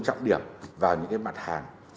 trọng điểm vào những cái mặt hàng